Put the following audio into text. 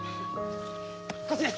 こっちです。